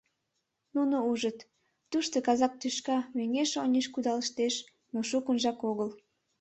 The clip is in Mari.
Нуно ужыт: тушто казак тӱшка мӧҥгеш-оньыш кудалыштеш, но шукынжак огыл.